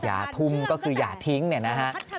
อย่าถึงหนุ้ยนะ